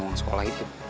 lo bisa ke sekolah itu